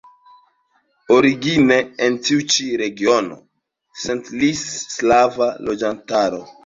Origine en tiu ĉi regiono setlis slava loĝantaro.